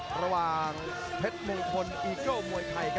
ประหว่านเพชรมื่นคนอีโก้หมวยไทย